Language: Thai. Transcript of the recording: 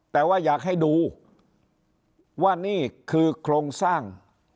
แต่ว่าอยากให้ดูว่านี่คือโครงสร้าง